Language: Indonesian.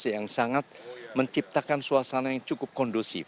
yang sangat menciptakan suasana yang cukup kondusif